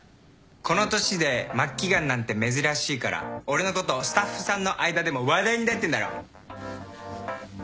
この年で末期がんなんて珍しいから俺のことスタッフさんの間でも話題になってんだろ？